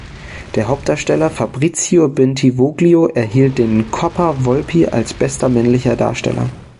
Der Hauptdarsteller Fabrizio Bentivoglio erhielt den Coppa Volpi als bester männlicher Darsteller.